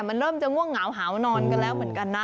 มันเริ่มจะง่วงเหงาหาวนอนกันแล้วเหมือนกันนะ